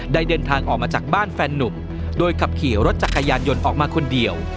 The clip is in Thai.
ได้เดินทางออกมาจากบ้านแฟนนุ่มโดยขับขี่รถจักรยานยนต์ออกมาคนเดียว